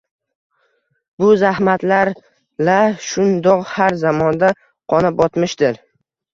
Bu zahmatlar-la shundoq har zamonda qona botmishdir